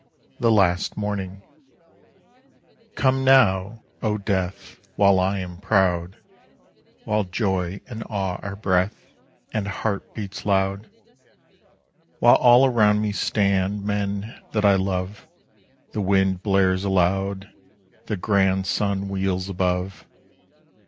X. THE LAST MORNING Come now, O Death, While I am proud, While joy and awe are breath, And heart beats loud! While all around me stand Men that I love, The wind blares aloud, the grand Sun wheels above.